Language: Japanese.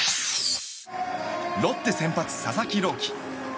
ロッテ先発、佐々木朗希。